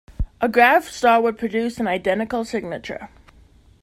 A gravastar would produce an identical signature.